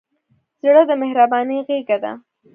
زړه د مهربانۍ غېږه ده.